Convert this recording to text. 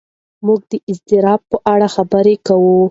موږ د اضطراب په اړه خبرې کوو.